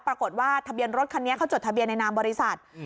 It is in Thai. ปรากฏว่าทะเบียนรถคันนี้เขาจดทะเบียนในนามบริษัทอืม